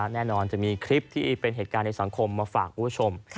แน่นอนจะมีคลิปที่เป็นเหตุการณ์ในสังคมมาฝากคุณผู้ชม